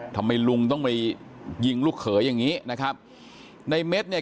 ทำไมลุงต้องไปยิงลูกเขยอย่างนี้นะครับในเม็ดเนี่ย